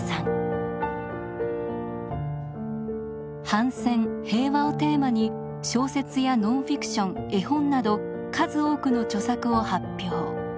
反戦平和をテーマに小説やノンフィクション絵本など数多くの著作を発表。